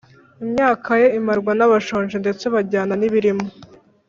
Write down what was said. Imyakaye imarwa n’abshonji, ndetse bajyana nibirimo